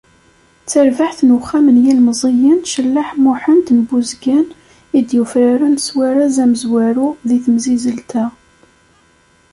D tarbaɛt n uxxam n yilemẓiyen Cellaḥ Muḥend n Buzgan, i d-yufraren s warraz amezwaru deg temsizzelt-a.